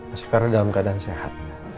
askara dalam keadaan sehat